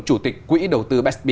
chủ tịch quỹ đầu tư bestb